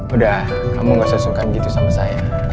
udah kamu gak susulkan gitu sama saya